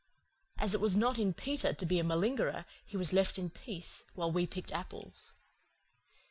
As it was not in Peter to be a malingerer he was left in peace, while we picked apples.